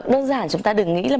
đơn giản chúng ta đừng nghĩ là